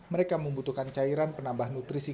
mereka membutuhkan cairan penambah nutrisi